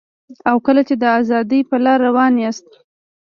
او کله چي د ازادۍ په لاره روان یاست